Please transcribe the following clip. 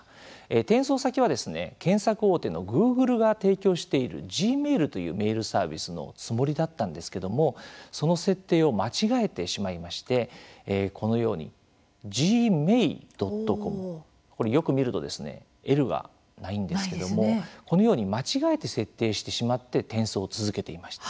転送先は検索大手のＧｏｏｇｌｅが提供しているＧｍａｉｌというメールサービスのつもりだったんですけどもその設定を間違えてしまいましてこのようにｇｍａｉ．ｃｏｍこれ、よく見るとｌがないんですけどもこのように間違えて設定してしまって転送を続けていました。